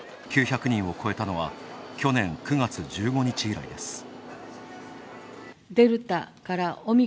９００人を超えたのは去年９月１５日以来です。